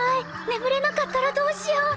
眠れなかったらどうしよう！